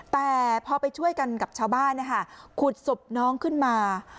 แต่พอไปช่วยกันกับชาวบ้านนะคะขุดศพน้องขึ้นมา